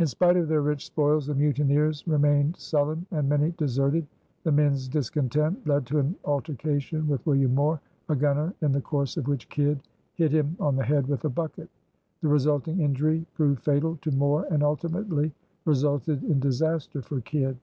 In spite of their rich spoils, the mutineers remained sullen, and many deserted. The men's discontent led to an altercation with William Moore, a gunner, in the course of which Kidd hit him on the head with a bucket. The resulting injury proved fatal to Moore and ultimately resulted in disaster for Kidd.